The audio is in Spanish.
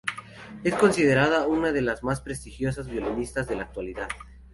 Es considerada una de las más prestigiosas violinistas de la actualidad.